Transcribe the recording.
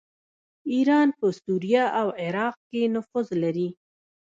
ایران په سوریه او عراق کې نفوذ لري.